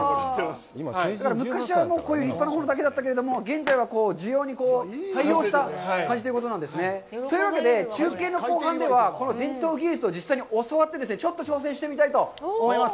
だから、昔はこういう立派なものだけだったけれども、現在は需要に対応した感じということなんですね。というわけで、中継の後半では、この伝統技術を実際に教わって、ちょっと挑戦してみたいと思います。